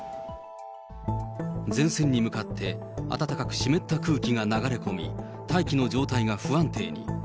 前線に向かって、暖かく湿った空気が流れ込み、大気の状態が不安定に。